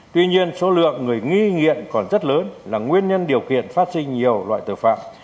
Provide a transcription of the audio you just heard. tuy nhiên số lượng người nghi nghiện còn rất lớn là nguyên nhân điều kiện phát sinh nhiều loại tội phạm